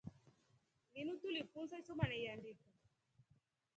Linu tulifunsa isoma na iandika.